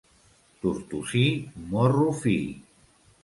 Tortosí, morro fi.